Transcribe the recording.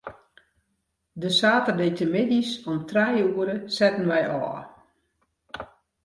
De saterdeitemiddeis om trije oere setten wy ôf.